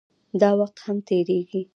داوخت هم تېريږي